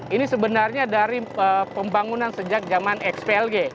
ini sebenarnya dari pembangunan sejak zaman xplg